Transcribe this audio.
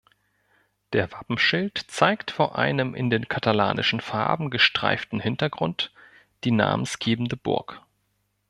Der Wappenschild zeigt vor einem in den katalanischen Farben gestreiften Hintergrund die namensgebende Burg.